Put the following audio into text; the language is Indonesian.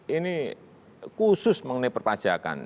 ini khusus mengenai perpajakan